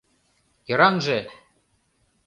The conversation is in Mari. — Йыраҥже!